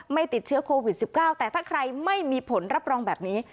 ไม่ติดเชื้อโควิด๑๙แต่ถ้าใครไม่มีผลรับรองแบบนี้